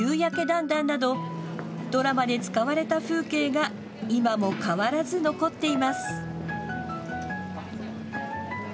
だんだんなどドラマで使われた風景が今も変わらず残っています。